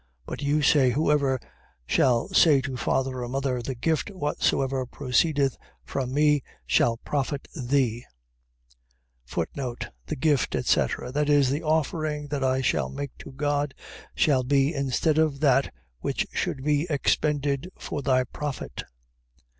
15:5. But you say: Whosoever shall say to father or mother, The gift whatsoever proceedeth from me, shall profit thee. The gift, etc. . .That is, the offering that I shall make to God, shall be instead of that which should be expended for thy profit.